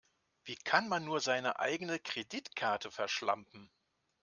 Wie kann man nur seine eigene Kreditkarte verschlampen?